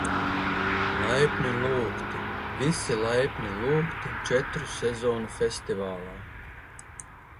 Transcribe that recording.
Laipni lūgti, visi laipni lūgti, Četru Sezonu Festivālā!